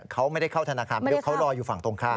เขาไม่ได้เข้าธนาคารไปด้วยเขารออยู่ฝั่งตรงข้าม